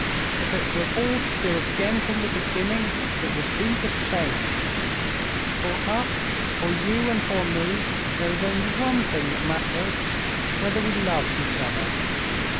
If it were all to do again from the beginning, it would be the same. For us, for you and for me, there is only one thing that matters, whether we love each other.